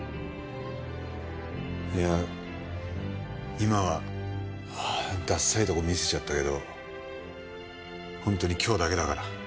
いや今はダサいとこ見せちゃったけど本当に今日だけだから。